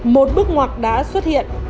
một bức ngoạc đã xuất hiện